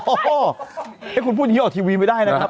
ห้าห้อให้คุณพูดเหี้ยเยอะออกทีวีไม่ได้นะ